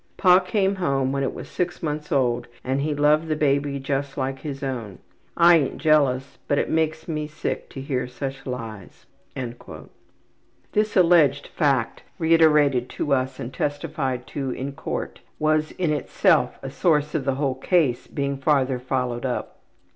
Pa came home when it was six months old and he loved the baby just like his own. I ain't jealous, but it makes me sick to hear such lies.'' This alleged fact, reiterated to us and testified to in the court, was in itself a source of the whole case being farther followed up.